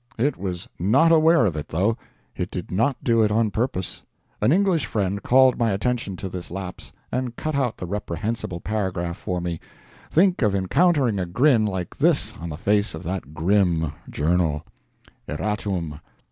It was NOT aware of it, though. It did not do it on purpose. An English friend called my attention to this lapse, and cut out the reprehensible paragraph for me. Think of encountering a grin like this on the face of that grim journal: ERRATUM.